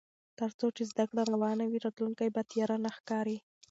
تر څو چې زده کړه روانه وي، راتلونکی به تیاره نه ښکاري.